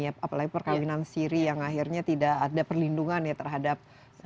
apalagi perkawinan siri yang akhirnya tidak ada perlindungan ya terhadap